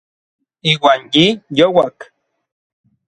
Iuan yi youak.